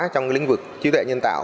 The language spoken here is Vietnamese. trong lĩnh vực trí tuệ nhân tạo